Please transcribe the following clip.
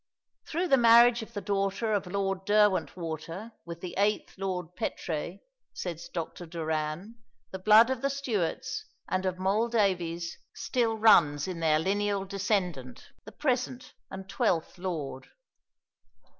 "Through the marriage of the daughter of Lord Derwentwater with the eighth Lord Petre," says Dr. Doran, "the blood of the Stuarts and of Moll Davies still runs in their lineal descendant, the present and twelfth lord."